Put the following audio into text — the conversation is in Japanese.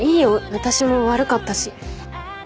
私も悪かったし。